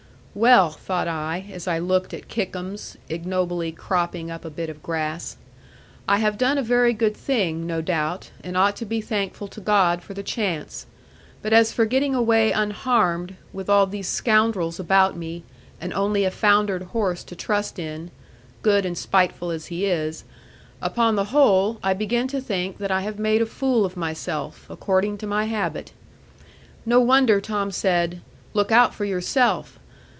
'Well,' thought I, as I looked at Kickums, ignobly cropping up a bit of grass, 'I have done a very good thing, no doubt, and ought to be thankful to God for the chance. But as for getting away unharmed, with all these scoundrels about me, and only a foundered horse to trust in good and spiteful as he is upon the whole, I begin to think that I have made a fool of myself, according to my habit. No wonder Tom said, "Look out for yourself!"